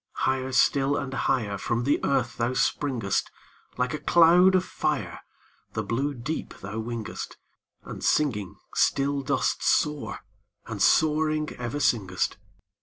Higher still and higher From the earth thou springest: Like a cloud of fire, The blue deep thou wingest, And singing still dost soar, and soaring ever singest.